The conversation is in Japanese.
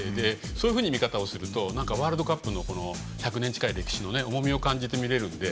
そういう見方をするとワールドカップの１００年近い歴史の重みを感じるので。